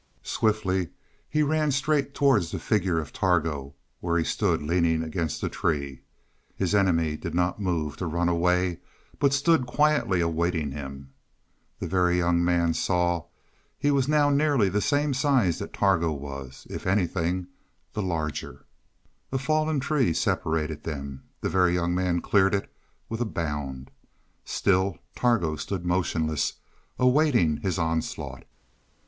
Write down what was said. Swiftly he ran straight towards the figure of Targo, where he stood leaning against a tree. His enemy did not move to run away, but stood quietly awaiting him. The Very Young Man saw he was now nearly the same size that Targo was; if anything, the larger. A fallen tree separated them; the Very Young Man cleared it with a bound. Still Targo stood motionless, awaiting his onslaught.